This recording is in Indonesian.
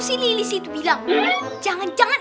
si lili bilang jangan jangan